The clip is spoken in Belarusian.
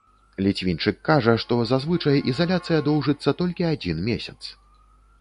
Ліцвінчык кажа, што зазвычай ізаляцыя доўжыцца толькі адзін месяц.